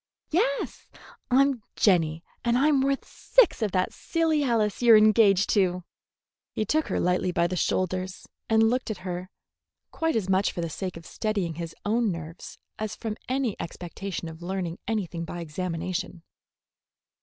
"Yes; I'm Jenny, and I'm worth six of that silly Alice you're engaged to." He took her lightly by the shoulders and looked at her, quite as much for the sake of steadying his own nerves as from any expectation of learning anything by examination.